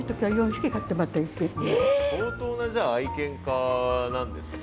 相当なじゃあ愛犬家なんですね。